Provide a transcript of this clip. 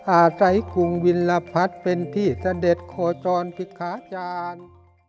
อาศัยกรุงวิลพัฒน์เป็นที่เสด็จโคจรพิคาจารย์